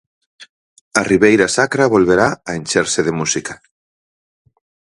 A Ribeira Sacra volverá a encherse de música.